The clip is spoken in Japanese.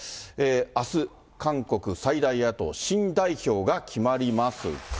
あす、韓国最大野党新代表が決まりますが。